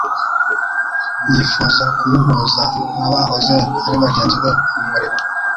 yifuza kumuhuza n'abahoze ari bagenzi be mu murimo.